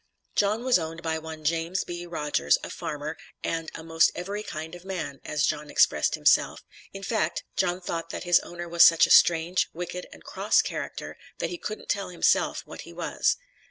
John was owned by one James B. Rodgers, a farmer, and "a most every kind of man," as John expressed himself; in fact John thought that his owner was such a strange, wicked, and cross character that he couldn't tell himself what he was.